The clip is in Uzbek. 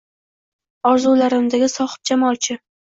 Orzularimdagi sohibjamol-chi